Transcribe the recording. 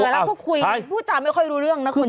แล้วพูดตามไม่ค่อยรู้เรื่องนะคุณชนะ